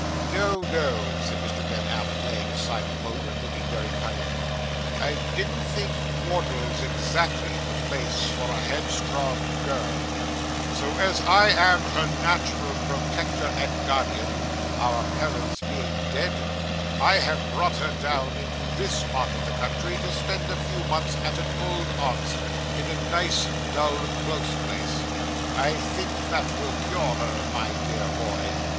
'No, no,' said Mr. Ben Allen, laying aside the poker, and looking very cunning; 'I didn't think Wardle's exactly the place for a headstrong girl; so, as I am her natural protector and guardian, our parents being dead, I have brought her down into this part of the country to spend a few months at an old aunt's, in a nice, dull, close place. I think that will cure her, my boy.